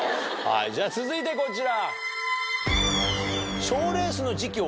じゃ続いてこちら。